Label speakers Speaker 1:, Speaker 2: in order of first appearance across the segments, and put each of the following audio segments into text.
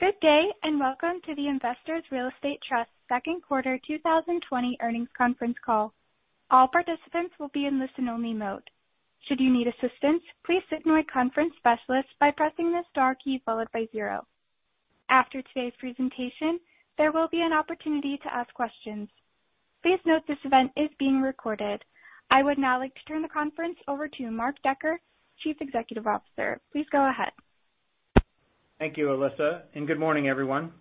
Speaker 1: Good day. Welcome to the Investors Real Estate Trust second quarter 2020 earnings conference call. All participants will be in listen only mode. Should you need assistance, please signal a conference specialist by pressing the star key followed by zero. After today's presentation, there will be an opportunity to ask questions. Please note this event is being recorded. I would now like to turn the conference over to Mark Decker, Chief Executive Officer. Please go ahead.
Speaker 2: Thank you, Alyssa. Good morning everyone.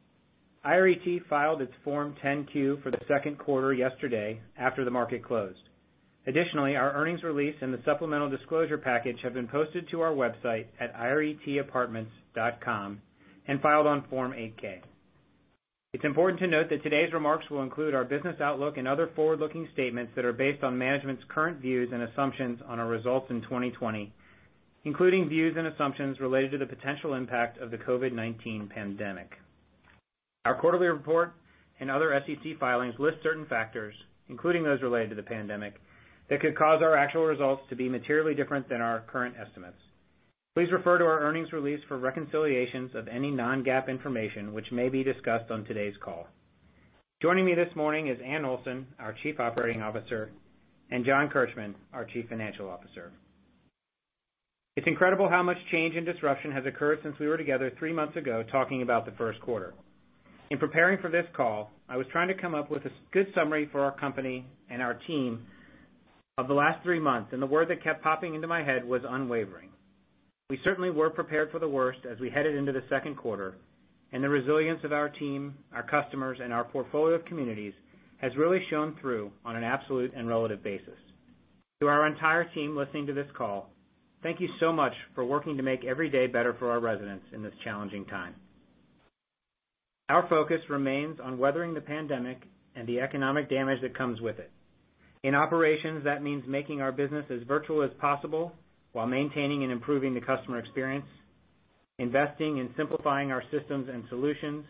Speaker 2: IRET filed its Form 10-Q for the second quarter yesterday after the market closed. Additionally, our earnings release and the supplemental disclosure package have been posted to our website at iretapartments.com and filed on Form 8-K. It's important to note that today's remarks will include our business outlook and other forward-looking statements that are based on management's current views and assumptions on our results in 2020, including views and assumptions related to the potential impact of the COVID-19 pandemic. Our quarterly report and other SEC filings list certain factors, including those related to the pandemic, that could cause our actual results to be materially different than our current estimates. Please refer to our earnings release for reconciliations of any non-GAAP information which may be discussed on today's call. Joining me this morning is Anne Olson, our Chief Operating Officer, and John Kirchman, our Chief Financial Officer. It's incredible how much change and disruption has occurred since we were together three months ago talking about the first quarter. In preparing for this call, I was trying to come up with a good summary for our company and our team of the last three months. The word that kept popping into my head was unwavering. We certainly were prepared for the worst as we headed into the second quarter. The resilience of our team, our customers, and our portfolio of communities has really shown through on an absolute and relative basis. To our entire team listening to this call, thank you so much for working to make every day better for our residents in this challenging time. Our focus remains on weathering the pandemic and the economic damage that comes with it. In operations, that means making our business as virtual as possible while maintaining and improving the customer experience, investing in simplifying our systems and solutions,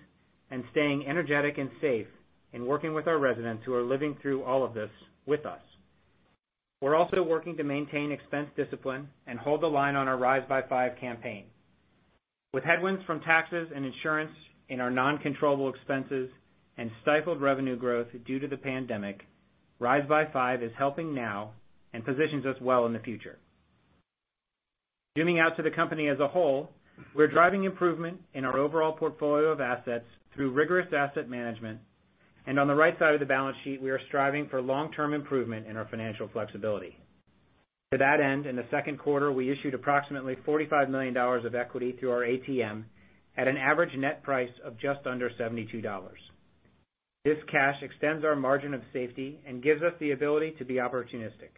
Speaker 2: and staying energetic and safe in working with our residents who are living through all of this with us. We're also working to maintain expense discipline and hold the line on our Rise by Five campaign. With headwinds from taxes and insurance in our non-controllable expenses and stifled revenue growth due to the pandemic, Rise by Five is helping now and positions us well in the future. Zooming out to the company as a whole, we're driving improvement in our overall portfolio of assets through rigorous asset management, and on the right side of the balance sheet, we are striving for long-term improvement in our financial flexibility. To that end, in the second quarter, we issued approximately $45 million of equity through our ATM at an average net price of just under $72. This cash extends our margin of safety and gives us the ability to be opportunistic.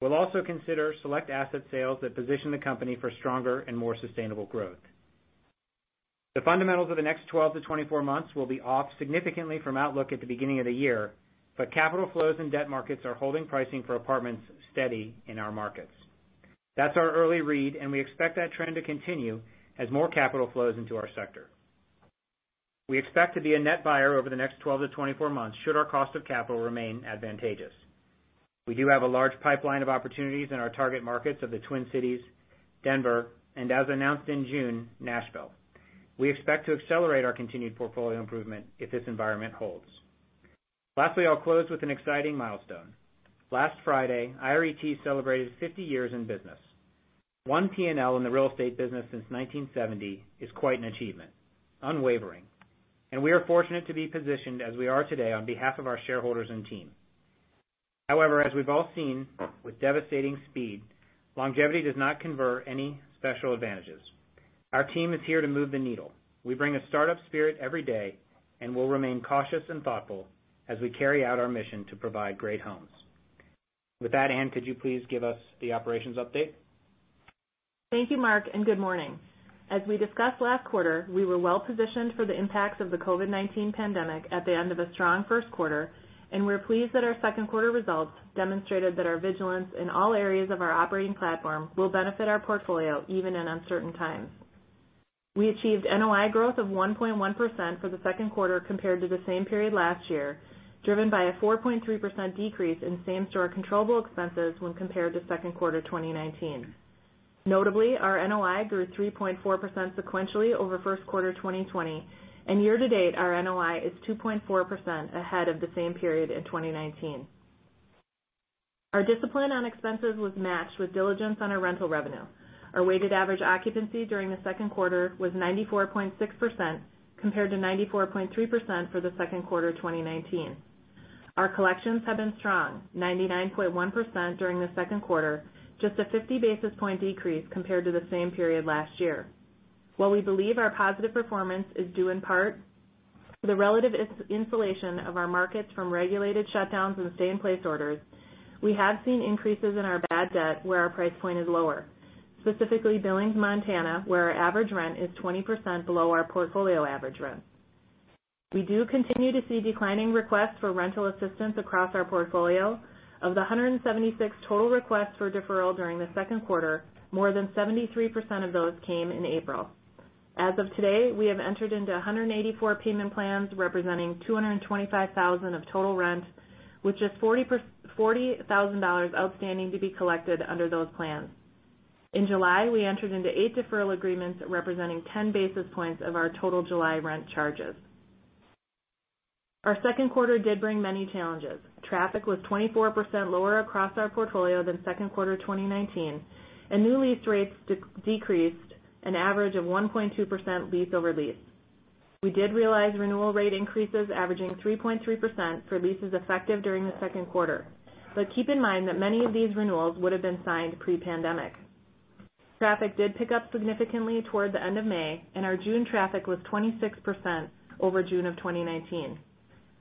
Speaker 2: We'll also consider select asset sales that position the company for stronger and more sustainable growth. The fundamentals of the next 12-24 months will be off significantly from outlook at the beginning of the year. Capital flows and debt markets are holding pricing for apartments steady in our markets. That's our early read. We expect that trend to continue as more capital flows into our sector. We expect to be a net buyer over the next 12-24 months, should our cost of capital remain advantageous. We do have a large pipeline of opportunities in our target markets of the Twin Cities, Denver, and as announced in June, Nashville. We expect to accelerate our continued portfolio improvement if this environment holds. Lastly, I'll close with an exciting milestone. Last Friday, IRET celebrated 50 years in business. One P&L in the real estate business since 1970 is quite an achievement. Unwavering. We are fortunate to be positioned as we are today on behalf of our shareholders and team. However, as we've all seen with devastating speed, longevity does not confer any special advantages. Our team is here to move the needle. We bring a startup spirit every day, and we'll remain cautious and thoughtful as we carry out our mission to provide great homes. With that, Anne, could you please give us the operations update?
Speaker 3: Thank you, Mark. Good morning. As we discussed last quarter, we were well positioned for the impacts of the COVID-19 pandemic at the end of a strong first quarter, and we're pleased that our second quarter results demonstrated that our vigilance in all areas of our operating platform will benefit our portfolio, even in uncertain times. We achieved NOI growth of 1.1% for the second quarter compared to the same period last year, driven by a 4.3% decrease in same-store controllable expenses when compared to second quarter 2019. Notably, our NOI grew 3.4% sequentially over first quarter 2020, and year to date, our NOI is 2.4% ahead of the same period in 2019. Our discipline on expenses was matched with diligence on our rental revenue. Our weighted average occupancy during the second quarter was 94.6%, compared to 94.3% for the second quarter 2019. Our collections have been strong, 99.1% during the second quarter, just a 50 basis points decrease compared to the same period last year. While we believe our positive performance is due in part to the relative insulation of our markets from regulated shutdowns and stay in place orders, we have seen increases in our bad debt where our price point is lower. Specifically, Billings, Montana, where our average rent is 20% below our portfolio average rent. We do continue to see declining requests for rental assistance across our portfolio. Of the 176 total requests for deferral during the second quarter, more than 73% of those came in April. As of today, we have entered into 184 payment plans representing $225,000 of total rent, with just $40,000 outstanding to be collected under those plans. In July, we entered into eight deferral agreements representing 10 basis points of our total July rent charges. Our second quarter did bring many challenges. Traffic was 24% lower across our portfolio than second quarter 2019, and new lease rates decreased an average of 1.2% lease over lease. We did realize renewal rate increases averaging 3.3% for leases effective during the second quarter. Keep in mind that many of these renewals would have been signed pre-pandemic. Traffic did pick up significantly toward the end of May, and our June traffic was 26% over June of 2019.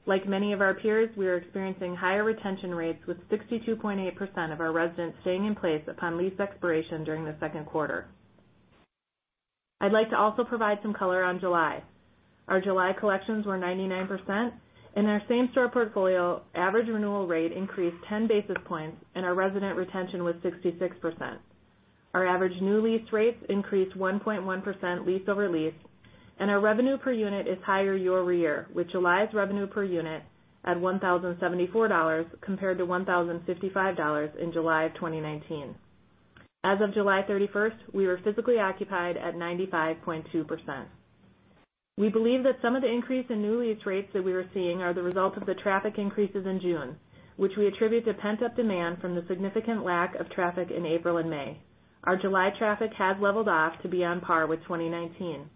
Speaker 3: Like many of our peers, we are experiencing higher retention rates with 62.8% of our residents staying in place upon lease expiration during the second quarter. I'd like to also provide some color on July. Our July collections were 99% and our same-store portfolio average renewal rate increased 10 basis points and our resident retention was 66%. Our average new lease rates increased 1.1% lease over lease, and our revenue per unit is higher year-over-year, with July's revenue per unit at $1,074 compared to $1,055 in July of 2019. As of July 31st, we were physically occupied at 95.2%. We believe that some of the increase in new lease rates that we are seeing are the result of the traffic increases in June, which we attribute to pent-up demand from the significant lack of traffic in April and May. Our July traffic has leveled off to be on par with 2019.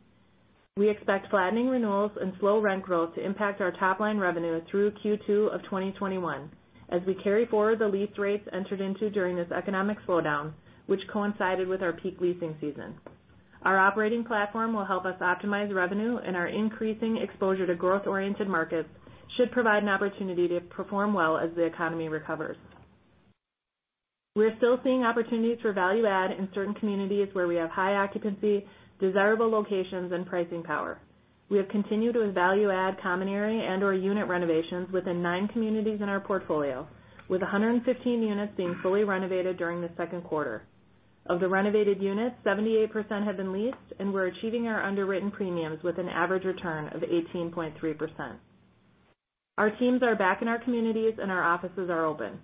Speaker 3: We expect flattening renewals and slow rent growth to impact our top-line revenue through Q2 of 2021 as we carry forward the lease rates entered into during this economic slowdown, which coincided with our peak leasing season. Our operating platform will help us optimize revenue, and our increasing exposure to growth-oriented markets should provide an opportunity to perform well as the economy recovers. We are still seeing opportunities for value add in certain communities where we have high occupancy, desirable locations, and pricing power. We have continued to value add common area and/or unit renovations within nine communities in our portfolio, with 115 units being fully renovated during the second quarter. Of the renovated units, 78% have been leased, and we're achieving our underwritten premiums with an average return of 18.3%. Our teams are back in our communities and our offices are open.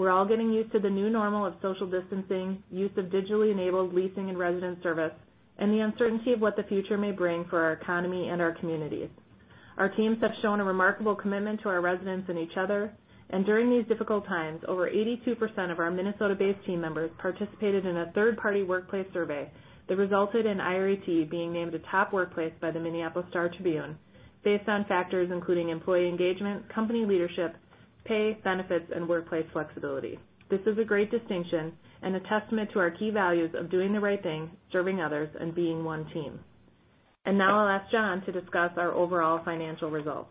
Speaker 3: We're all getting used to the new normal of social distancing, use of digitally enabled leasing and resident service, and the uncertainty of what the future may bring for our economy and our communities. Our teams have shown a remarkable commitment to our residents and each other, and during these difficult times, over 82% of our Minnesota-based team members participated in a third-party workplace survey that resulted in IRET being named a top workplace by the Minneapolis Star Tribune based on factors including employee engagement, company leadership, pay, benefits, and workplace flexibility. This is a great distinction and a testament to our key values of doing the right thing, serving others, and being one team. Now I'll ask John to discuss our overall financial results.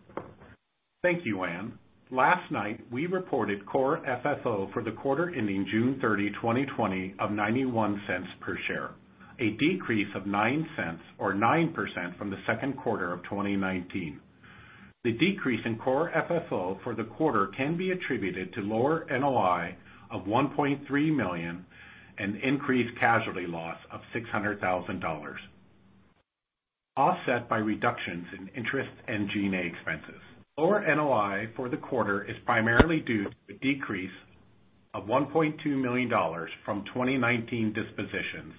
Speaker 4: Thank you, Anne. Last night, we reported core FFO for the quarter ending June 30, 2020, of $0.91 per share, a decrease of $0.09 or 9% from the second quarter of 2019. The decrease in core FFO for the quarter can be attributed to lower NOI of $1.3 million and increased casualty loss of $600,000, offset by reductions in interest and G&A expenses. Lower NOI for the quarter is primarily due to a decrease of $1.2 million from 2019 dispositions,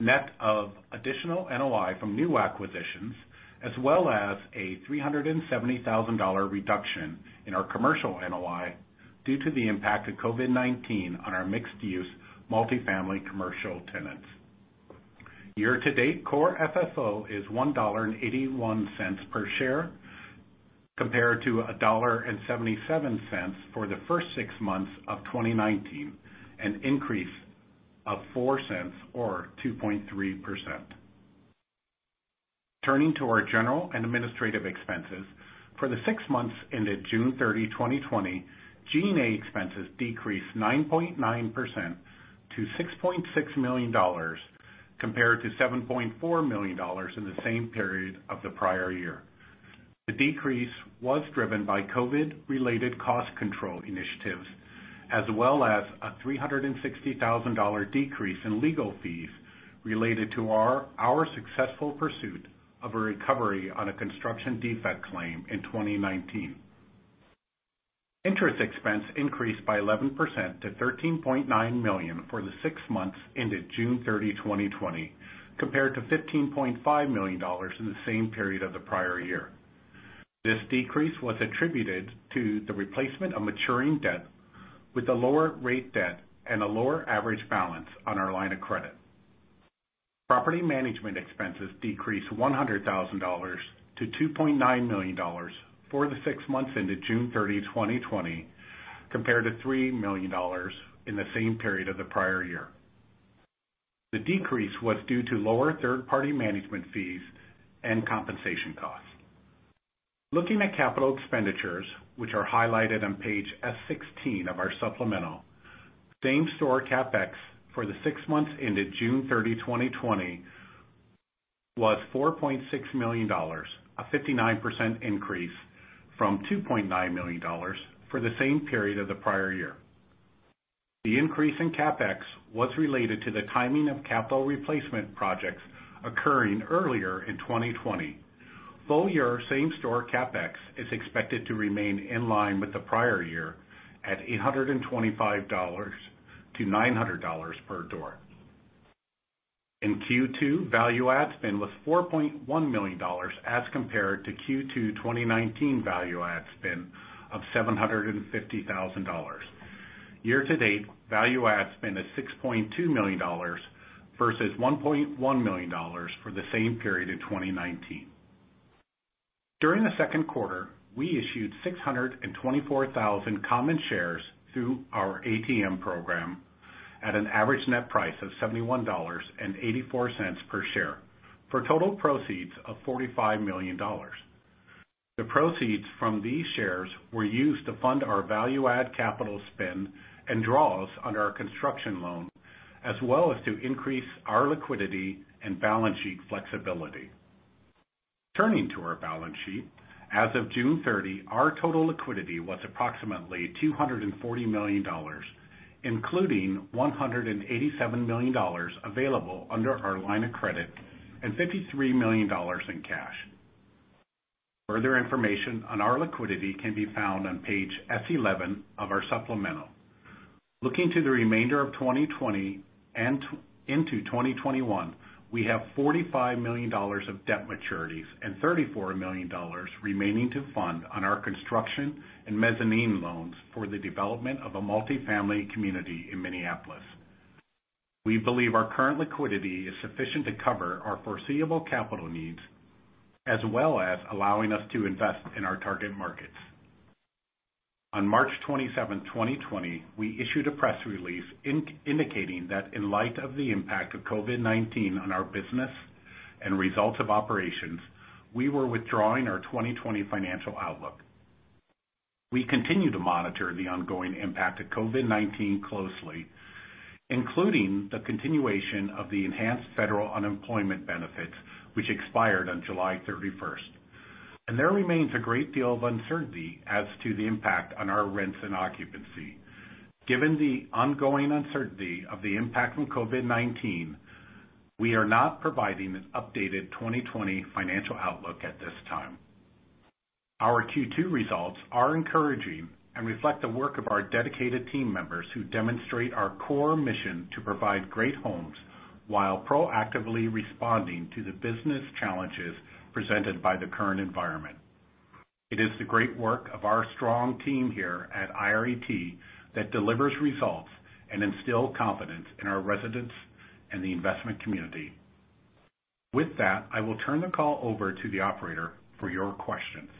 Speaker 4: net of additional NOI from new acquisitions, as well as a $370,000 reduction in our commercial NOI due to the impact of COVID-19 on our mixed-use, multi-family commercial tenants. Year-to-date core FFO is $1.81 per share compared to $1.77 for the first six months of 2019, an increase of $0.04 or 2.3%. Turning to our General and Administrative expenses, for the six months ended June 30, 2020, G&A expenses decreased 9.9% to $6.6 million compared to $7.4 million in the same period of the prior year. The decrease was driven by COVID-19-related cost control initiatives, as well as a $360,000 decrease in legal fees related to our successful pursuit of a recovery on a construction defect claim in 2019. Interest expense decreased by 11% to $13.9 million for the six months ended June 30, 2020, compared to $15.5 million in the same period of the prior year. This decrease was attributed to the replacement of maturing debt with a lower rate debt and a lower average balance on our line of credit. Property management expenses decreased $100,000-$2.9 million for the six months ended June 30, 2020, compared to $3 million in the same period of the prior year. The decrease was due to lower third-party management fees and compensation costs. Looking at capital expenditures, which are highlighted on page S16 of our supplemental, same-store CapEx for the six months ended June 30, 2020, was $4.6 million, a 59% increase from $2.9 million for the same period of the prior year. The increase in CapEx was related to the timing of capital replacement projects occurring earlier in 2020. Full year same store CapEx is expected to remain in line with the prior year at $825-$900 per door. In Q2, value add spend was $4.1 million, as compared to Q2 2019 value add spend of $750,000. Year-to-date, value add spend is $6.2 million versus $1.1 million for the same period in 2019. During the second quarter, we issued 624,000 common shares through our ATM program at an average net price of $71.84 per share for total proceeds of $45 million. The proceeds from these shares were used to fund our value add capital spend and draws on our construction loan, as well as to increase our liquidity and balance sheet flexibility. Turning to our balance sheet, as of June 30, our total liquidity was approximately $240 million, including $187 million available under our line of credit and $53 million in cash. Further information on our liquidity can be found on page S11 of our supplemental. Looking to the remainder of 2020 and into 2021, we have $45 million of debt maturities and $34 million remaining to fund on our construction and mezzanine loans for the development of a multifamily community in Minneapolis. We believe our current liquidity is sufficient to cover our foreseeable capital needs, as well as allowing us to invest in our target markets. On March 27, 2020, we issued a press release indicating that in light of the impact of COVID-19 on our business and results of operations, we were withdrawing our 2020 financial outlook. We continue to monitor the ongoing impact of COVID-19 closely, including the continuation of the enhanced federal unemployment benefits, which expired on July 31st, and there remains a great deal of uncertainty as to the impact on our rents and occupancy. Given the ongoing uncertainty of the impact from COVID-19, we are not providing an updated 2020 financial outlook at this time. Our Q2 results are encouraging and reflect the work of our dedicated team members who demonstrate our core mission to provide great homes while proactively responding to the business challenges presented by the current environment. It is the great work of our strong team here at IRET that delivers results and instill confidence in our residents and the investment community. With that, I will turn the call over to the operator for your questions.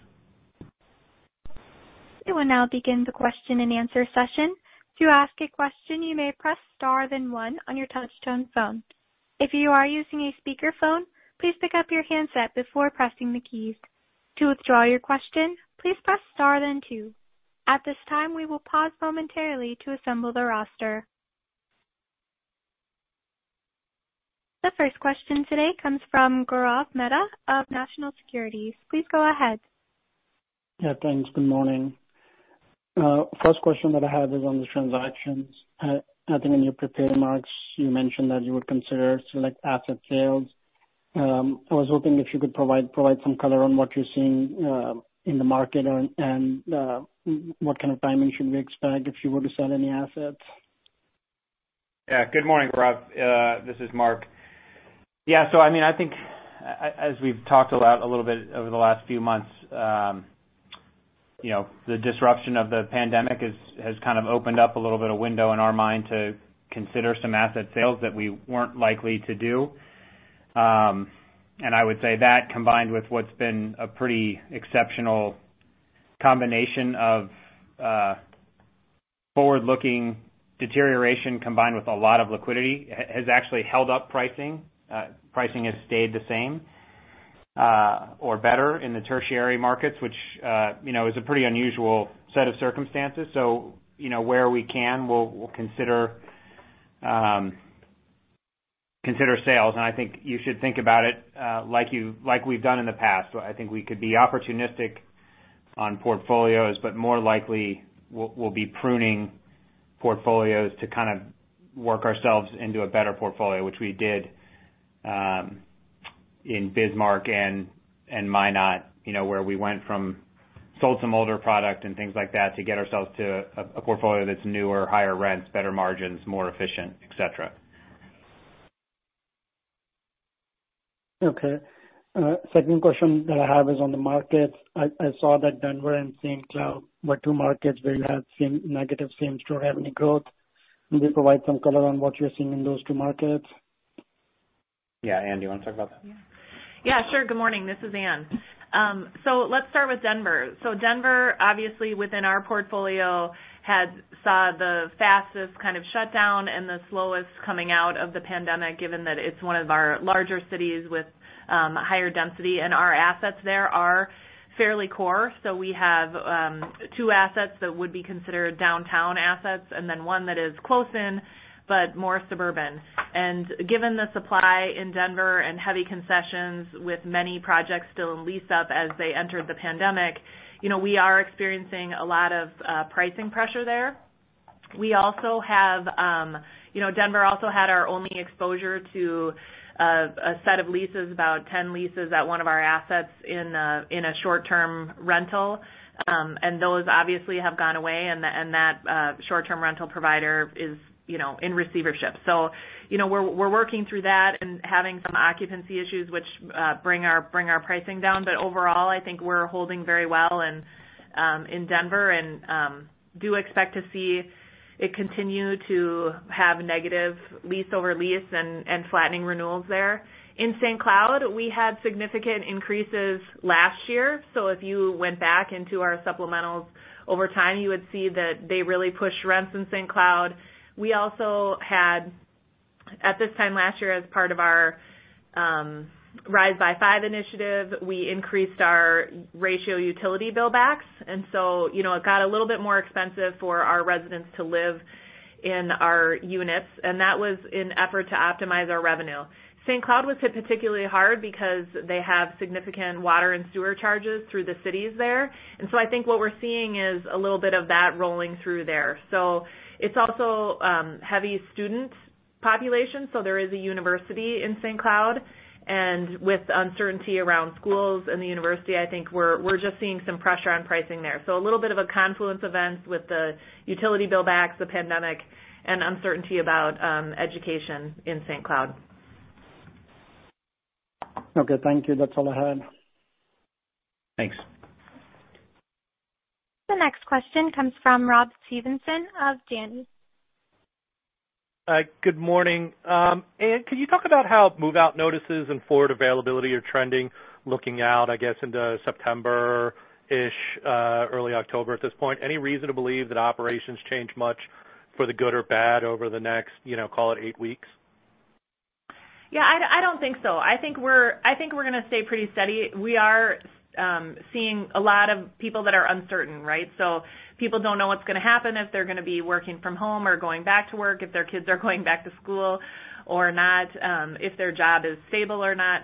Speaker 1: We will now begin the question and answer session. To ask a question, you may press star then one on your touchtone phone. If you are using a speakerphone, please pick up your handset before pressing the keys. To withdraw your question, please press star then two. At this time, we will pause momentarily to assemble the roster. The first question today comes from Gaurav Mehta of National Securities. Please go ahead.
Speaker 5: Yeah, thanks. Good morning. First question that I have is on the transactions. I think in your prepared remarks, you mentioned that you would consider select asset sales. I was hoping if you could provide some color on what you're seeing in the market and what kind of timing should we expect if you were to sell any assets.
Speaker 2: Good morning, Gaurav. This is Mark. I think as we've talked a little bit over the last few months, the disruption of the pandemic has kind of opened up a little bit of window in our mind to consider some asset sales that we weren't likely to do. I would say that combined with what's been a pretty exceptional combination of forward-looking deterioration combined with a lot of liquidity, has actually held up pricing. Pricing has stayed the same, or better in the tertiary markets, which is a pretty unusual set of circumstances. Where we can, we'll consider sales, and I think you should think about it like we've done in the past. I think we could be opportunistic on portfolios, but more likely we'll be pruning portfolios to kind of work ourselves into a better portfolio, which we did in Bismarck and Minot where we went from sold some older product and things like that to get ourselves to a portfolio that's newer, higher rents, better margins, more efficient, et cetera.
Speaker 5: Okay. Second question that I have is on the markets. I saw that Denver and Saint Cloud were two markets where you had negative same store revenue growth. Can you provide some color on what you're seeing in those two markets?
Speaker 4: Yeah. Anne, do you want to talk about that?
Speaker 3: Yeah, sure. Good morning. This is Anne. Let's start with Denver. Denver, obviously within our portfolio, saw the fastest kind of shutdown and the slowest coming out of the pandemic, given that it's one of our larger cities with higher density and our assets there are fairly core. We have two assets that would be considered downtown assets, and then one that is close in, but more suburban. Given the supply in Denver and heavy concessions with many projects still in lease up as they entered the pandemic, we are experiencing a lot of pricing pressure there. Denver also had our only exposure to a set of leases, about 10 leases, at one of our assets in a short-term rental. Those obviously have gone away, and that short-term rental provider is in receivership. We're working through that and having some occupancy issues which bring our pricing down. Overall, I think we're holding very well in Denver and do expect to see it continue to have negative lease-over-lease and flattening renewals there. In St. Cloud, we had significant increases last year. If you went back into our supplementals over time, you would see that they really pushed rents in St. Cloud. We also had, at this time last year, as part of our Rise by Five initiative, we increased our ratio utility bill backs. It got a little bit more expensive for our residents to live in our units, and that was an effort to optimize our revenue. St. Cloud was hit particularly hard because they have significant water and sewer charges through the cities there. I think what we're seeing is a little bit of that rolling through there. It's also heavy student population, so there is a university in St. Cloud. With uncertainty around schools and the university, I think we're just seeing some pressure on pricing there. A little bit of a confluence event with the utility bill backs, the pandemic, and uncertainty about education in St. Cloud.
Speaker 5: Okay. Thank you. That's all I had.
Speaker 2: Thanks.
Speaker 1: The next question comes from Rob Stevenson of Janney.
Speaker 6: Good morning. Anne, can you talk about how move-out notices and forward availability are trending looking out, I guess, into September-ish, early October at this point? Any reason to believe that operations change much for the good or bad over the next, call it, eight weeks?
Speaker 3: Yeah, I don't think so. I think we're going to stay pretty steady. We are seeing a lot of people that are uncertain, right? People don't know what's going to happen, if they're going to be working from home or going back to work, if their kids are going back to school or not, if their job is stable or not.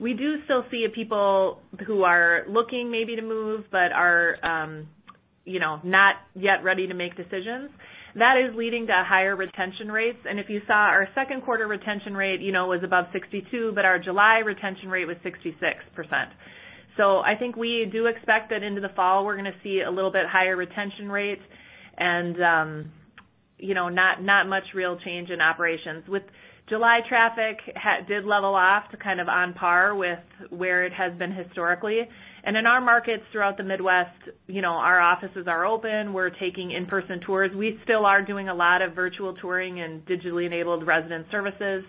Speaker 3: We do still see people who are looking maybe to move but are not yet ready to make decisions. That is leading to higher retention rates. If you saw our second quarter retention rate was above 62%, but our July retention rate was 66%. I think we do expect that into the fall, we're going to see a little bit higher retention rates and not much real change in operations. With July traffic, did level off to kind of on par with where it has been historically. In our markets throughout the Midwest, our offices are open. We're taking in-person tours. We still are doing a lot of virtual touring and digitally enabled resident services.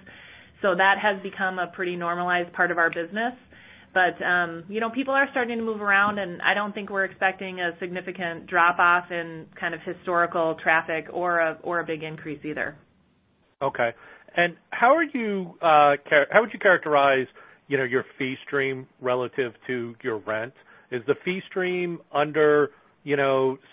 Speaker 3: That has become a pretty normalized part of our business. People are starting to move around, and I don't think we're expecting a significant drop-off in kind of historical traffic or a big increase either.
Speaker 6: Okay. How would you characterize your fee stream relative to your rent? Is the fee stream under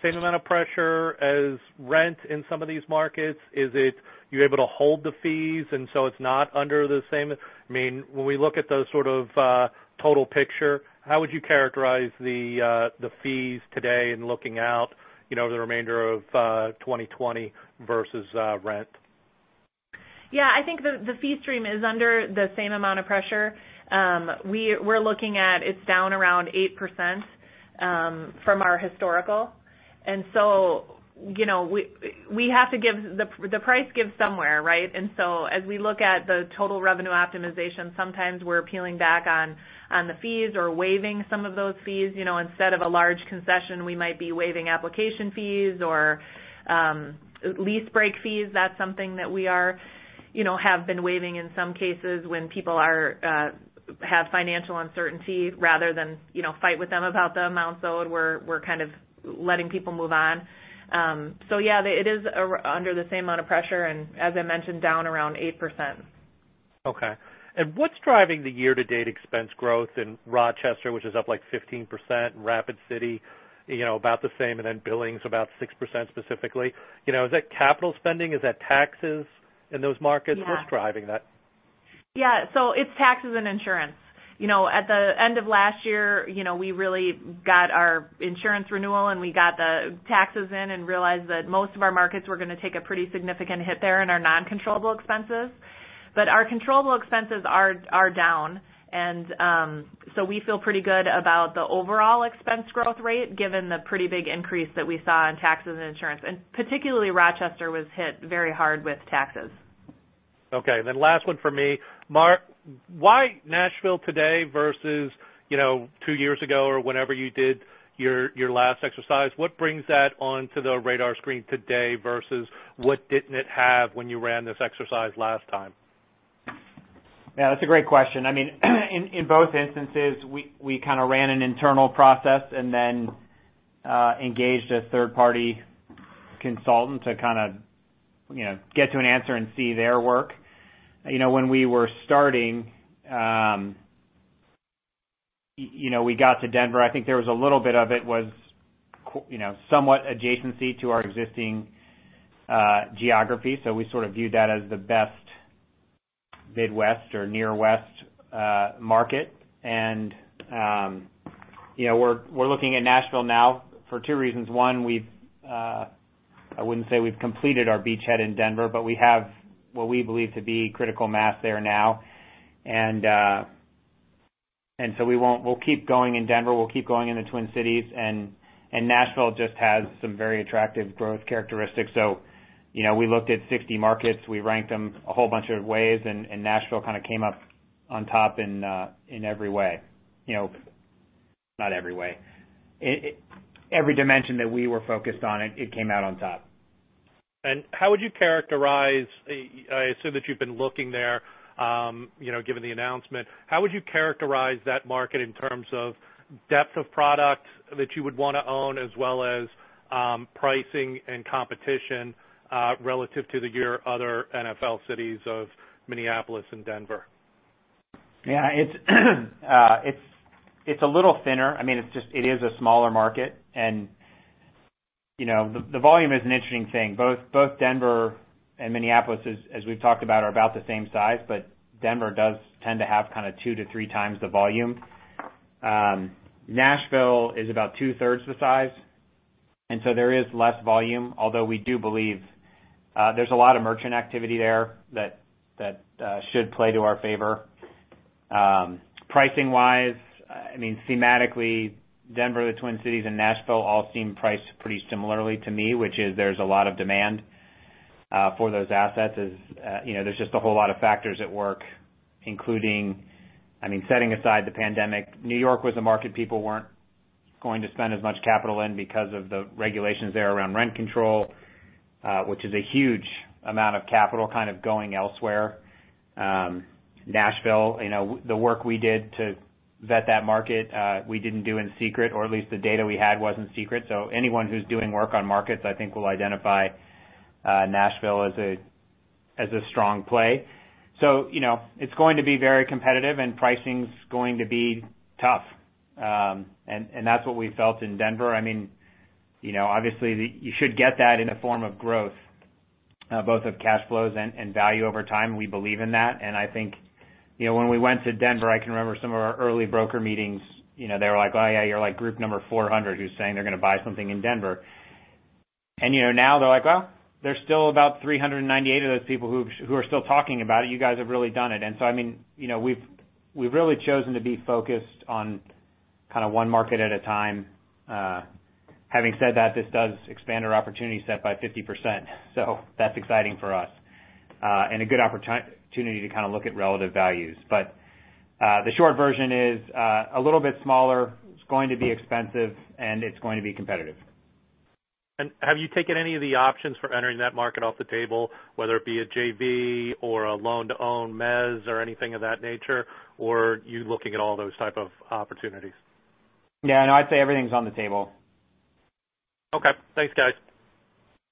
Speaker 6: same amount of pressure as rent in some of these markets? Is it you're able to hold the fees, and so it's not under the same. When we look at the sort of total picture, how would you characterize the fees today and looking out the remainder of 2020 versus rent?
Speaker 3: Yeah, I think the fee stream is under the same amount of pressure. We're looking at it's down around 8% from our historical. The price gives somewhere, right? As we look at the total revenue optimization, sometimes we're peeling back on the fees or waiving some of those fees. Instead of a large concession, we might be waiving application fees or lease break fees. That's something that we have been waiving in some cases when people have financial uncertainty, rather than fight with them about the amount owed, we're kind of letting people move on. Yeah, it is under the same amount of pressure, and as I mentioned, down around 8%.
Speaker 6: Okay. What's driving the year-to-date expense growth in Rochester, which is up like 15%, Rapid City about the same, and then Billings about 6% specifically? Is that capital spending? Is that taxes in those markets?
Speaker 3: Yeah.
Speaker 6: What's driving that?
Speaker 3: Yeah. It's taxes and insurance. At the end of last year, we really got our insurance renewal, and we got the taxes in and realized that most of our markets were going to take a pretty significant hit there in our non-controllable expenses. Our controllable expenses are down, and so we feel pretty good about the overall expense growth rate given the pretty big increase that we saw in taxes and insurance. Particularly Rochester was hit very hard with taxes.
Speaker 6: Okay, last one for me. Mark, why Nashville today versus two years ago or whenever you did your last exercise? What brings that onto the radar screen today versus what didn't it have when you ran this exercise last time?
Speaker 2: Yeah, that's a great question. In both instances, we kind of ran an internal process and then engaged a third-party consultant to kind of get to an answer and see their work. When we were starting, we got to Denver. I think there was a little bit of it was somewhat adjacency to our existing geography. We sort of viewed that as the best Midwest or Near West market. We're looking at Nashville now for two reasons. One, I wouldn't say we've completed our beachhead in Denver, but we have what we believe to be critical mass there now. We'll keep going in Denver, we'll keep going in the Twin Cities, and Nashville just has some very attractive growth characteristics. We looked at 60 markets, we ranked them a whole bunch of ways, and Nashville kind of came up on top in every way. Not every way. Every dimension that we were focused on, it came out on top.
Speaker 6: I assume that you've been looking there, given the announcement. How would you characterize that market in terms of depth of product that you would want to own, as well as pricing and competition, relative to your other NFL cities of Minneapolis and Denver?
Speaker 2: Yeah. It's a little thinner. It is a smaller market, and the volume is an interesting thing. Both Denver and Minneapolis, as we've talked about, are about the same size, but Denver does tend to have kind of two to three times the volume. Nashville is about two-thirds the size, and so there is less volume, although we do believe there's a lot of merchant activity there that should play to our favor. Pricing-wise, thematically, Denver, the Twin Cities, and Nashville all seem priced pretty similarly to me, which is there's a lot of demand for those assets. There's just a whole lot of factors at work, including, setting aside the pandemic, New York was a market people weren't going to spend as much capital in because of the regulations there around rent control, which is a huge amount of capital kind of going elsewhere. Nashville, the work we did to vet that market, we didn't do in secret, or at least the data we had wasn't secret. Anyone who's doing work on markets, I think, will identify Nashville as a strong play. It's going to be very competitive and pricing's going to be tough. That's what we felt in Denver. Obviously, you should get that in the form of growth, both of cash flows and value over time. We believe in that. I think, when we went to Denver, I can remember some of our early broker meetings, they were like, "Oh, yeah, you're like group number 400 who's saying they're going to buy something in Denver." Now they're like, "Well, there's still about 398 of those people who are still talking about it. You guys have really done it." We've really chosen to be focused on kind of one market at a time. Having said that, this does expand our opportunity set by 50%. That's exciting for us, and a good opportunity to kind of look at relative values. The short version is a little bit smaller, it's going to be expensive, and it's going to be competitive.
Speaker 6: Have you taken any of the options for entering that market off the table, whether it be a JV or a loan-to-own mezz or anything of that nature, or are you looking at all those type of opportunities?
Speaker 2: Yeah, no, I'd say everything's on the table.
Speaker 6: Okay. Thanks, guys.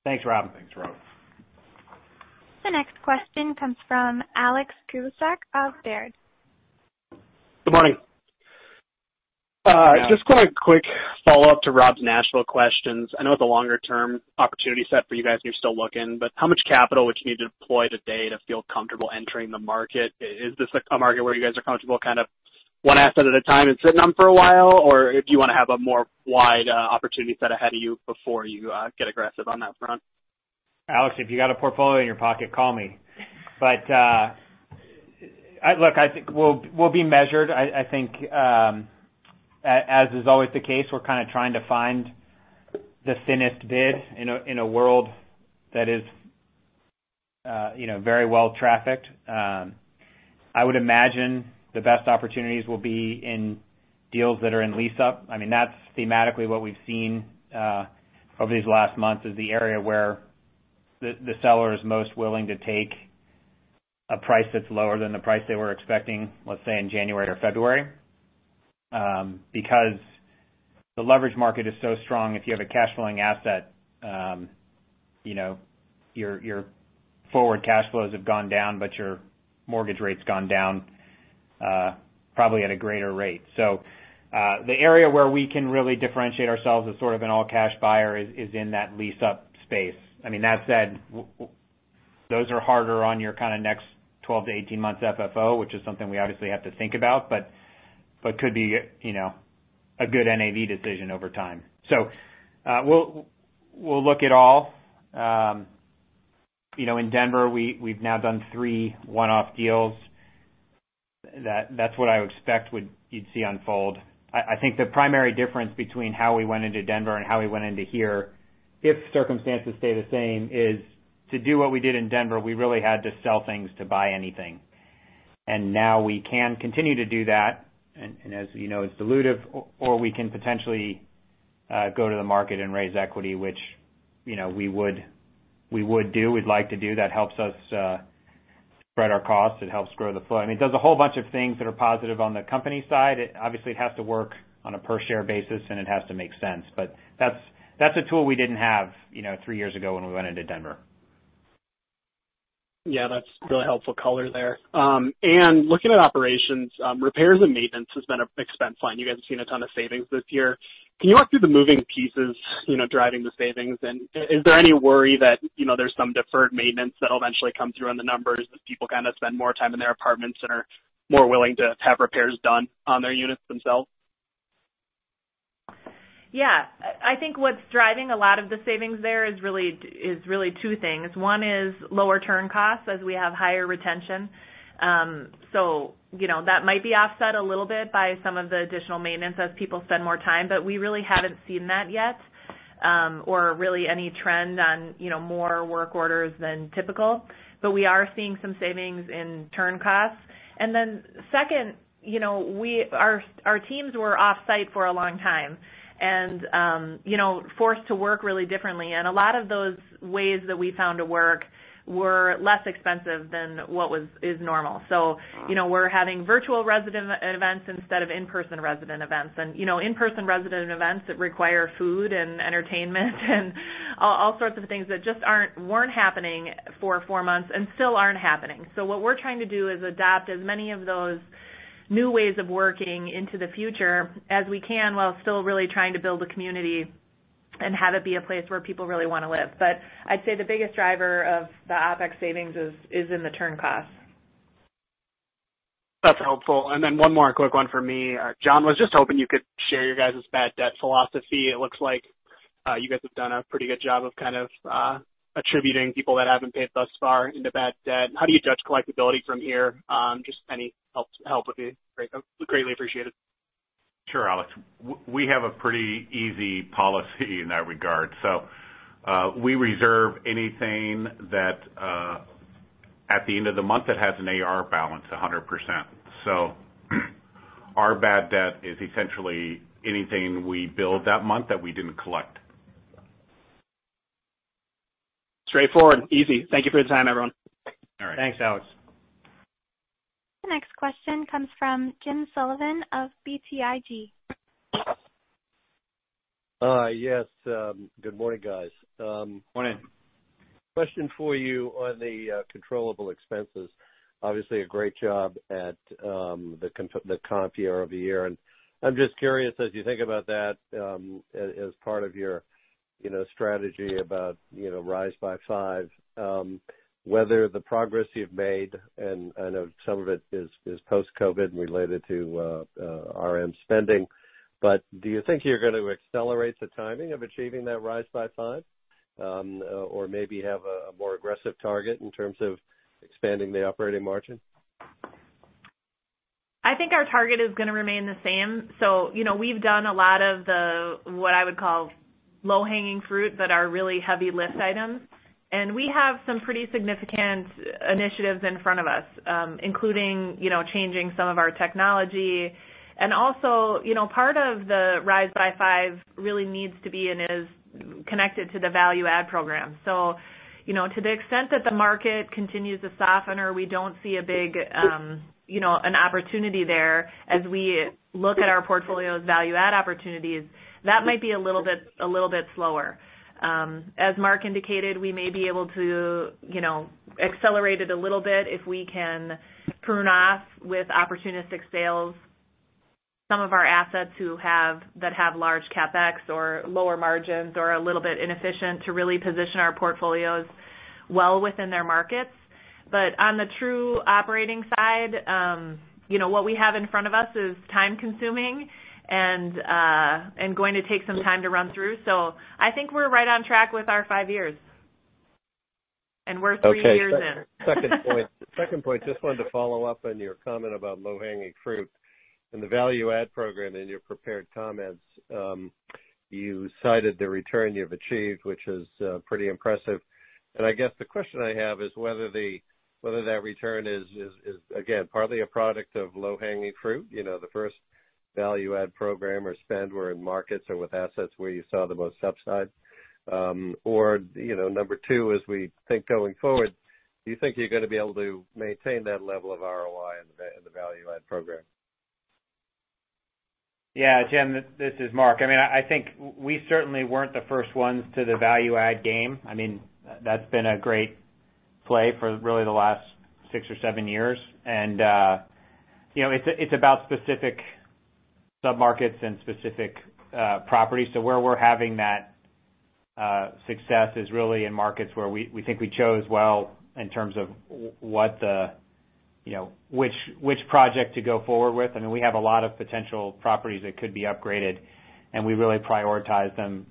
Speaker 2: Thanks, Rob.
Speaker 4: Thanks, Rob.
Speaker 1: The next question comes from Alex Kubicek of Baird.
Speaker 7: Good morning.
Speaker 2: Yeah.
Speaker 7: Just got a quick follow-up to Rob's Nashville questions. I know it's a longer-term opportunity set for you guys, and you're still looking, but how much capital would you need to deploy today to feel comfortable entering the market? Is this a market where you guys are comfortable kind of one asset at a time and sitting on for a while? Or if you want to have a more wide opportunity set ahead of you before you get aggressive on that front?
Speaker 2: Alex, if you got a portfolio in your pocket, call me. Look, I think we'll be measured. I think, as is always the case, we're kind of trying to find the thinnest bid in a world that is very well-trafficked. I would imagine the best opportunities will be in deals that are in lease-up. That's thematically what we've seen over these last months, is the area where the seller is most willing to take a price that's lower than the price they were expecting, let's say, in January or February. Because the leverage market is so strong, if you have a cash flowing asset, your forward cash flows have gone down, but your mortgage rate's gone down probably at a greater rate. The area where we can really differentiate ourselves as sort of an all-cash buyer is in that lease-up space. That said, those are harder on your kind of next 12-18 months FFO, which is something we obviously have to think about, but could be a good NAV decision over time. We'll look at all. In Denver, we've now done three one-off deals. That's what I would expect you'd see unfold. I think the primary difference between how we went into Denver and how we went into here, if circumstances stay the same, is to do what we did in Denver, we really had to sell things to buy anything. Now we can continue to do that, and as you know, it's dilutive, or we can potentially go to the market and raise equity, which we would do. We'd like to do. That helps us spread our costs. It helps grow the flow. It does a whole bunch of things that are positive on the company side. Obviously, it has to work on a per-share basis, and it has to make sense. That's a tool we didn't have three years ago when we went into Denver.
Speaker 7: Yeah, that's really helpful color there. Looking at operations, repairs and maintenance has been an expense line. You guys have seen a ton of savings this year. Can you walk through the moving pieces driving the savings? Is there any worry that there's some deferred maintenance that'll eventually come through on the numbers as people kind of spend more time in their apartments and are more willing to have repairs done on their units themselves?
Speaker 3: I think what's driving a lot of the savings there is really two things. One is lower turn costs as we have higher retention. That might be offset a little bit by some of the additional maintenance as people spend more time, but we really haven't seen that yet, or really any trend on more work orders than typical. We are seeing some savings in turn costs. Second, our teams were off-site for a long time and forced to work really differently, and a lot of those ways that we found to work were less expensive than what is normal. We're having virtual resident events instead of in-person resident events. In-person resident events that require food and entertainment and all sorts of things that just weren't happening for four months, and still aren't happening. What we're trying to do is adopt as many of those new ways of working into the future as we can, while still really trying to build a community and have it be a place where people really want to live. I'd say the biggest driver of the OPEX savings is in the turn costs.
Speaker 7: That's helpful. Then one more quick one from me, John. Was just hoping you could share your guys' bad debt philosophy. It looks like you guys have done a pretty good job of attributing people that haven't paid thus far into bad debt. How do you judge collectability from here? Just any help would be greatly appreciated.
Speaker 4: Sure, Alex. We have a pretty easy policy in that regard. We reserve anything that, at the end of the month that has an AR balance 100%. Our bad debt is essentially anything we billed that month that we didn't collect.
Speaker 7: Straightforward, easy. Thank you for your time, everyone.
Speaker 2: All right.
Speaker 3: Thanks, Alex.
Speaker 1: The next question comes from Jim Sullivan of BTIG.
Speaker 8: Yes. Good morning, guys.
Speaker 2: Morning.
Speaker 8: Question for you on the controllable expenses? Obviously, a great job at the comp year-over-year. I'm just curious, as you think about that as part of your strategy about Rise by Five, whether the progress you've made, and I know some of it is post-COVID and related to R&M spending, do you think you're going to accelerate the timing of achieving that Rise by Five? Or maybe have a more aggressive target in terms of expanding the operating margin?
Speaker 3: I think our target is going to remain the same. We've done a lot of the, what I would call low-hanging fruit that are really heavy list items, and we have some pretty significant initiatives in front of us, including changing some of our technology. Part of the Rise by Five really needs to be and is connected to the value add program. To the extent that the market continues to soften or we don't see a big opportunity there as we look at our portfolio's value add opportunities, that might be a little bit slower. As Mark indicated, we may be able to accelerate it a little bit if we can prune off with opportunistic sales some of our assets that have large CapEx or lower margins or are a little bit inefficient to really position our portfolios well within their markets. On the true operating side, what we have in front of us is time-consuming and going to take some time to run through. I think we're right on track with our five years, and we're three years in.
Speaker 8: Okay. Second point, just wanted to follow up on your comment about low-hanging fruit. In the value add program in your prepared comments, you cited the return you've achieved, which is pretty impressive. I guess the question I have is whether that return is, again, partly a product of low-hanging fruit, the first value add program or spend were in markets or with assets where you saw the most upside. Or number two, as we think going forward, do you think you're going to be able to maintain that level of ROI in the value add program?
Speaker 2: Jim, this is Mark. I think we certainly weren't the first ones to the value-add game. That's been a great play for really the last six or seven years. It's about specific submarkets and specific properties. Where we're having that success is really in markets where we think we chose well in terms of which project to go forward with. We have a lot of potential properties that could be upgraded, and we really prioritize them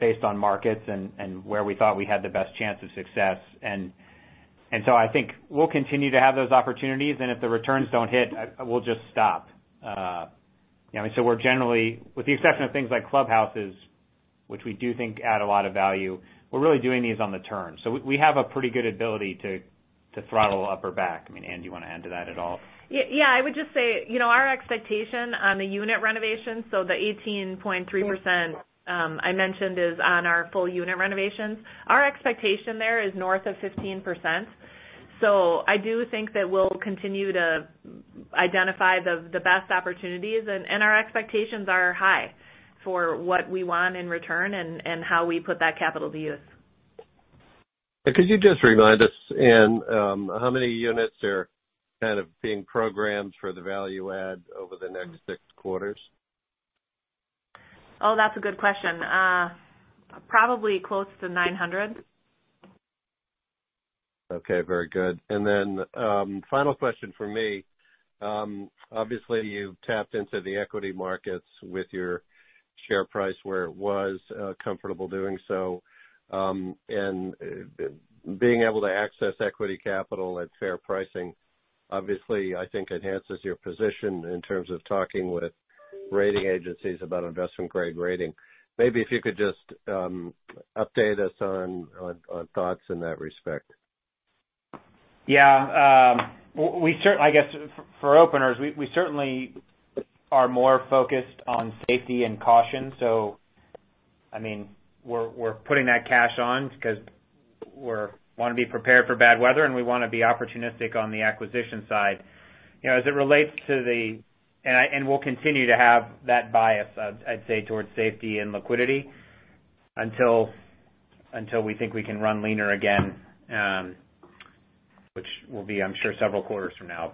Speaker 2: based on markets and where we thought we had the best chance of success. I think we'll continue to have those opportunities, and if the returns don't hit, we'll just stop. We're generally, with the exception of things like clubhouses, which we do think add a lot of value, we're really doing these on the turn. We have a pretty good ability to throttle up or back. Anne, do you want to add to that at all?
Speaker 3: Yeah. I would just say our expectation on the unit renovations, so the 18.3% I mentioned is on our full unit renovations. Our expectation there is north of 15%. I do think that we'll continue to identify the best opportunities, and our expectations are high for what we want in return and how we put that capital to use.
Speaker 8: Could you just remind us, Anne, how many units are being programmed for the value add over the next sx quarters?
Speaker 3: Oh, that's a good question. Probably close to 900.
Speaker 8: Okay, very good. Final question from me. Obviously, you've tapped into the equity markets with your share price where it was comfortable doing so. Being able to access equity capital at fair pricing, obviously, I think enhances your position in terms of talking with rating agencies about investment-grade rating. Maybe if you could just update us on thoughts in that respect.
Speaker 2: Yeah. I guess for openers, we certainly are more focused on safety and caution. We're putting that cash on because we want to be prepared for bad weather, and we want to be opportunistic on the acquisition side. We'll continue to have that bias, I'd say, towards safety and liquidity until we think we can run leaner again, which will be, I'm sure, several quarters from now.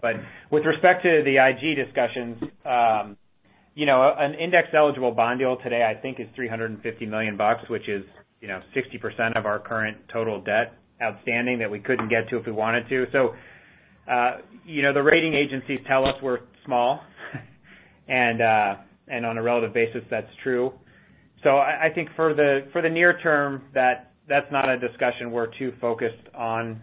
Speaker 2: With respect to the IG discussions, an index-eligible bond deal today, I think, is $350 million, which is 60% of our current total debt outstanding that we couldn't get to if we wanted to. The rating agencies tell us we're small. On a relative basis, that's true. I think for the near term, that's not a discussion we're too focused on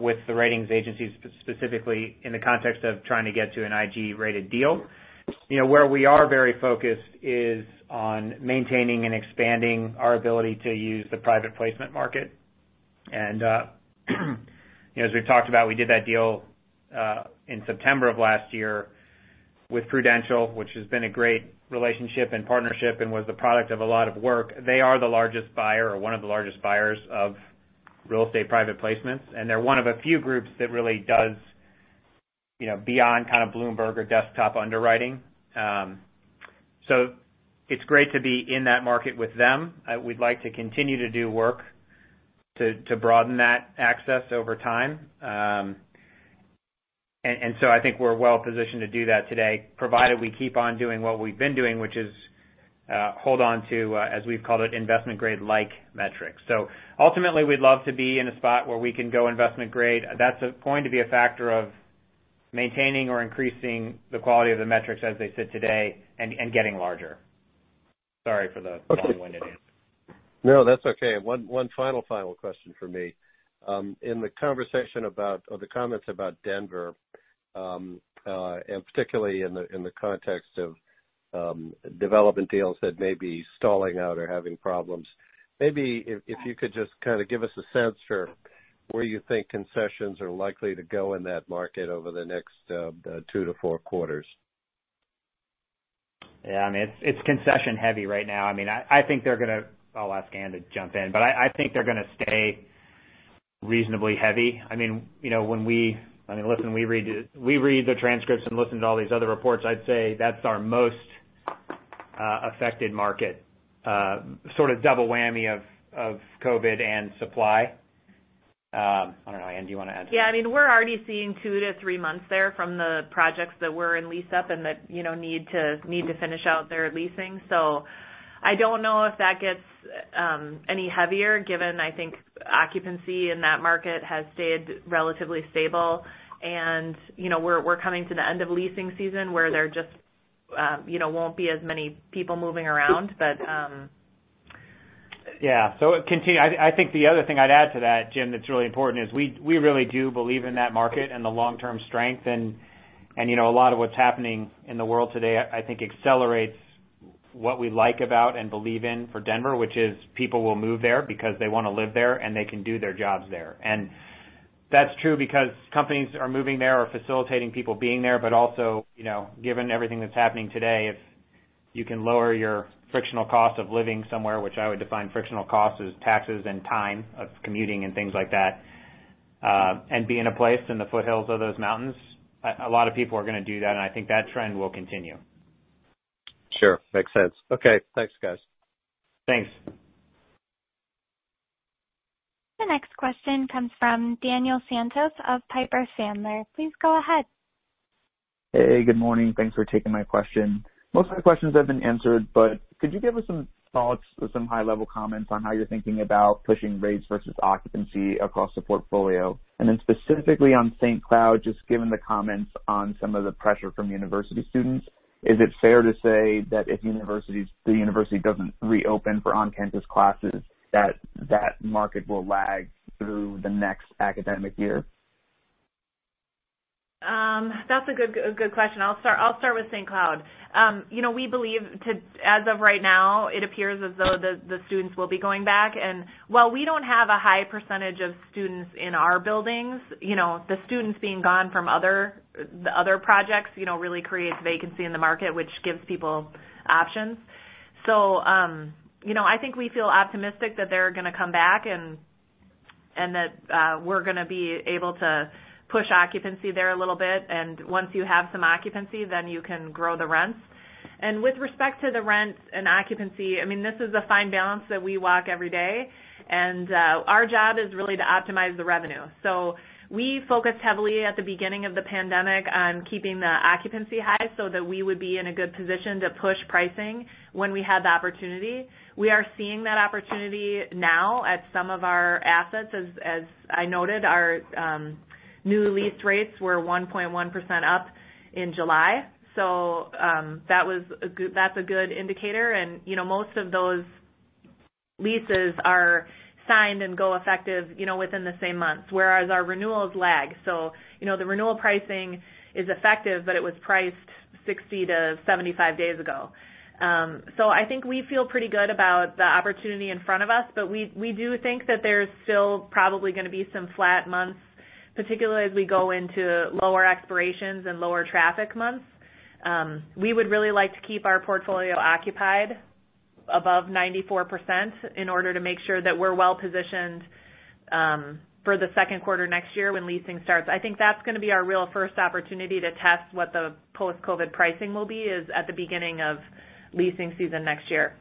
Speaker 2: with the ratings agencies, specifically in the context of trying to get to an IG-rated deal. Where we are very focused is on maintaining and expanding our ability to use the private placement market. As we've talked about, we did that deal in September of last year with Prudential, which has been a great relationship and partnership and was the product of a lot of work. They are the largest buyer, or one of the largest buyers of real estate private placements, and they're one of a few groups that really does beyond kind of Bloomberg or desktop underwriting. It's great to be in that market with them. We'd like to continue to do work to broaden that access over time. I think we're well-positioned to do that today, provided we keep on doing what we've been doing, which is hold on to, as we've called it, investment-grade-like metrics. Ultimately, we'd love to be in a spot where we can go investment grade. That's going to be a factor of maintaining or increasing the quality of the metrics as they sit today and getting larger. Sorry for the long-winded answer.
Speaker 8: No, that's okay. One final question from me. In the conversation about, or the comments about Denver, particularly in the context of development deals that may be stalling out or having problems, maybe if you could just kind of give us a sense for where you think concessions are likely to go in that market over the next two to four quarters.
Speaker 2: Yeah. It's concession-heavy right now. I'll ask Anne to jump in, but I think they're going to stay reasonably heavy. Listen, we read the transcripts and listen to all these other reports. I'd say that's our most affected market. Sort of double whammy of COVID-19 and supply. I don't know, Anne, do you want to add to that?
Speaker 3: Yeah. We're already seeing two to three months there from the projects that were in lease-up and that need to finish out their leasing. I don't know if that gets any heavier given, I think, occupancy in that market has stayed relatively stable. We're coming to the end of leasing season where there just won't be as many people moving around.
Speaker 2: Yeah. I think the other thing I'd add to that, Jim, that's really important is we really do believe in that market and the long-term strength, and a lot of what's happening in the world today, I think, accelerates what we like about and believe in for Denver, which is people will move there because they want to live there and they can do their jobs there. That's true because companies are moving there or facilitating people being there, but also, given everything that's happening today, if you can lower your frictional cost of living somewhere, which I would define frictional cost as taxes and time of commuting and things like that, and be in a place in the foothills of those mountains, a lot of people are going to do that, and I think that trend will continue.
Speaker 8: Sure. Makes sense. Okay. Thanks, guys.
Speaker 2: Thanks.
Speaker 1: The next question comes from Daniel Santos of Piper Sandler. Please go ahead.
Speaker 9: Hey. Good morning. Thanks for taking my question. Most of my questions have been answered, but could you give us some thoughts or some high-level comments on how you're thinking about pushing rates versus occupancy across the portfolio? Then specifically on St. Cloud, just given the comments on some of the pressure from university students, is it fair to say that if the university doesn't reopen for on-campus classes, that that market will lag through the next academic year?
Speaker 3: That's a good question. I'll start with St. Cloud. While we don't have a high percentage of students in our buildings, the students being gone from the other projects really creates vacancy in the market, which gives people options. I think we feel optimistic that they're going to come back and that we're going to be able to push occupancy there a little bit. Once you have some occupancy, then you can grow the rents. With respect to the rents and occupancy, this is a fine balance that we walk every day, and our job is really to optimize the revenue. We focused heavily at the beginning of the pandemic on keeping the occupancy high so that we would be in a good position to push pricing when we had the opportunity. We are seeing that opportunity now at some of our assets. As I noted, our new lease rates were 1.1% up in July. That's a good indicator. Most of those leases are signed and go effective within the same month, whereas our renewals lag. The renewal pricing is effective, but it was priced 60-75 days ago. I think we feel pretty good about the opportunity in front of us, but we do think that there's still probably going to be some flat months, particularly as we go into lower expirations and lower traffic months. We would really like to keep our portfolio occupied above 94% in order to make sure that we're well-positioned for the second quarter next year when leasing starts. I think that's going to be our real first opportunity to test what the post-COVID pricing will be is at the beginning of leasing season next year.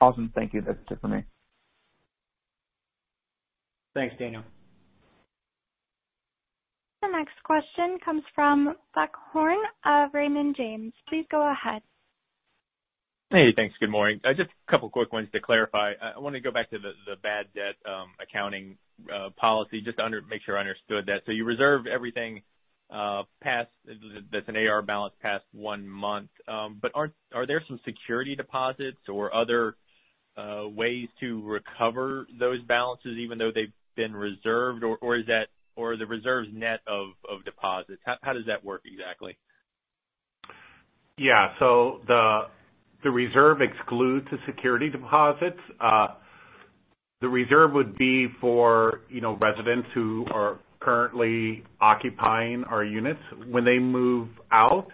Speaker 9: Awesome. Thank you. That's it for me.
Speaker 2: Thanks, Daniel.
Speaker 1: The next question comes from Buck Horne of Raymond James. Please go ahead.
Speaker 10: Hey, thanks. Good morning. Just a couple of quick ones to clarify. I want to go back to the bad debt accounting policy, just to make sure I understood that. You reserve everything that's an AR balance past one month. Are there some security deposits or other ways to recover those balances even though they've been reserved? Are the reserves net of deposits? How does that work exactly?
Speaker 4: Yeah. The reserve excludes the security deposits. The reserve would be for residents who are currently occupying our units. When they move out,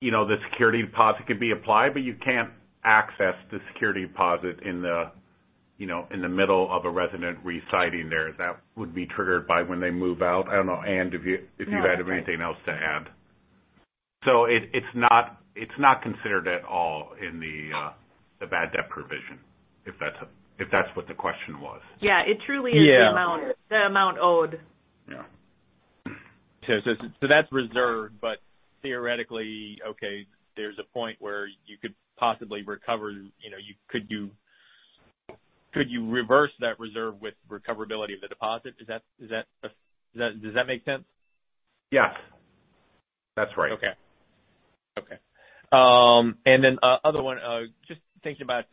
Speaker 4: the security deposit could be applied, but you can't access the security deposit in the middle of a resident residing there. That would be triggered by when they move out. I don't know, Anne, if you had anything else to add. It's not considered at all in the bad debt provision, if that's what the question was.
Speaker 3: Yeah. It truly is the amount owed.
Speaker 4: Yeah.
Speaker 10: That's reserved, but theoretically, okay, there's a point where you could possibly recover. Could you reverse that reserve with recoverability of the deposit? Does that make sense?
Speaker 4: Yes. That's right.
Speaker 10: Okay. Other one, just thinking about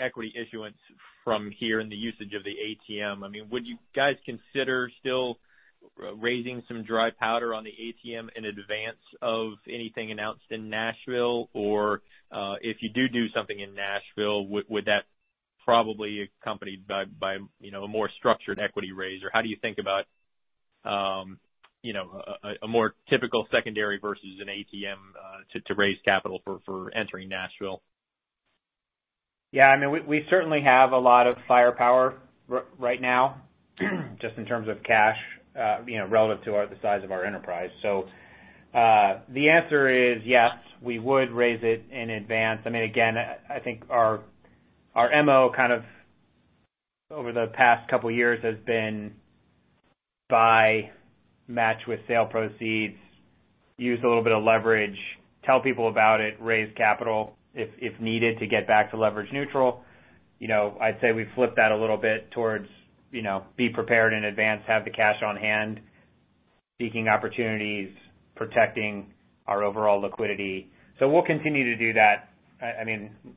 Speaker 10: equity issuance from here and the usage of the ATM. Would you guys consider still raising some dry powder on the ATM in advance of anything announced in Nashville? If you do do something in Nashville, would that probably accompanied by a more structured equity raise? How do you think about a more typical secondary versus an ATM to raise capital for entering Nashville?
Speaker 2: Yeah, we certainly have a lot of firepower right now just in terms of cash relative to the size of our enterprise. The answer is yes, we would raise it in advance. Again, I think our MO kind of over the past couple of years has been buy, match with sale proceeds, use a little bit of leverage, tell people about it, raise capital if needed to get back to leverage neutral. I'd say we flip that a little bit towards be prepared in advance, have the cash on-hand, seeking opportunities, protecting our overall liquidity. We'll continue to do that.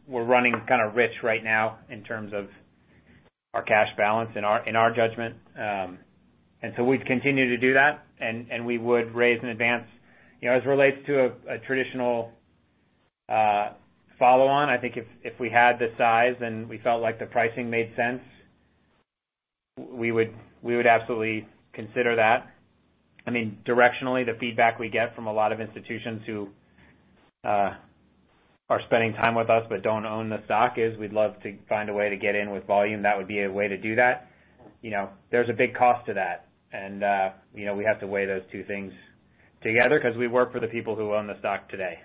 Speaker 2: We're running kind of rich right now in terms of our cash balance in our judgment. We'd continue to do that, and we would raise in advance. As it relates to a traditional follow-on, I think if we had the size and we felt like the pricing made sense, we would absolutely consider that. Directionally, the feedback we get from a lot of institutions who are spending time with us but don't own the stock is we'd love to find a way to get in with volume. That would be a way to do that. There's a big cost to that, and we have to weigh those two things together because we work for the people who own the stock today,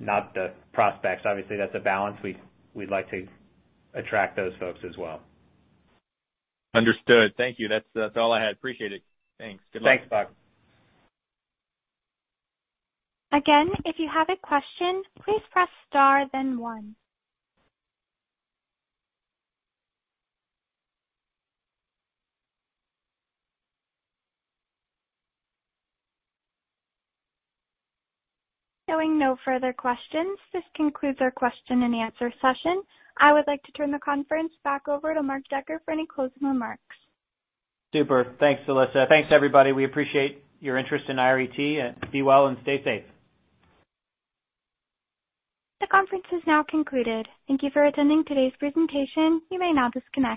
Speaker 2: not the prospects. Obviously, that's a balance. We'd like to attract those folks as well.
Speaker 10: Understood. Thank you. That's all I had. Appreciate it. Thanks. Good luck.
Speaker 2: Thanks, Buck.
Speaker 1: Again, if you have a question, please press star then one. Showing no further questions. This concludes our question and answer session. I would like to turn the conference back over to Mark Decker for any closing remarks.
Speaker 2: Super. Thanks, Alyssa. Thanks, everybody. We appreciate your interest in IRET. Be well and stay safe.
Speaker 1: The conference is now concluded. Thank you for attending today's presentation. You may now disconnect.